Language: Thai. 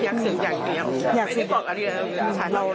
อยากศึกอย่างเดียวไม่ได้บอกอะไรอย่างเดียว